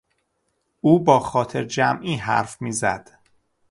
او با خاطر جمعی حرف میزد.